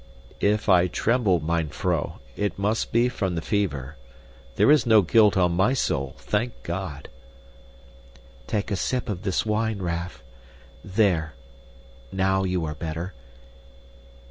"If I tremble, mine vrouw, it must be from the fever. There is no guilt on my soul, thank God!" "Take a sip of this wine, Raff. There, now you are better.